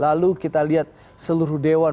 lalu kita lihat seluruh dewan